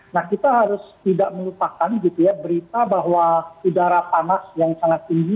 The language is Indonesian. nah kita harus tidak melupakan gitu ya berita bahwa udara panas yang sangat tinggi